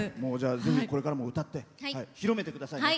ぜひこれからも歌って広めてくださいね。